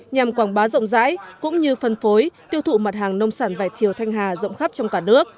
nhằm quảng bá rộng rãi cũng như phân phối tiêu thụ mặt hàng nông sản vải thiều thanh hà rộng khắp trong cả nước